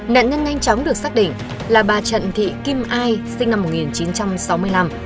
nạn nhân nhanh chóng được xác định là bà trận thị kim ai sinh năm một nghìn chín trăm sáu mươi năm